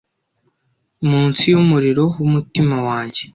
munsi yumuriro wumutima wanjye